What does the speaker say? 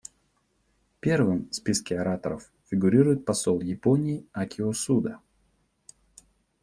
Первым в списке ораторов фигурирует посол Японии Акио Суда.